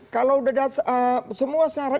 kalau udah semua syarat